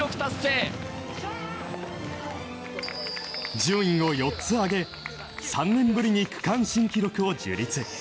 順位を４つ挙げ３年ぶりに区間新記録を樹立。